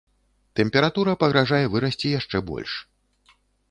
Тэмпература пагражае вырасці яшчэ больш.